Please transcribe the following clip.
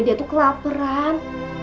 dia tuh kelaperan